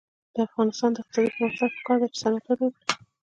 د افغانستان د اقتصادي پرمختګ لپاره پکار ده چې صنعت وده وکړي.